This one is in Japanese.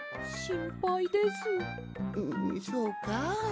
んんそうか？